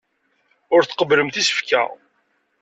Ur tqebblemt isefka.